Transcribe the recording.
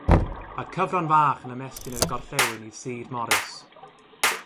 Mae cyfran fach yn ymestyn i'r gorllewin i Sir Morris.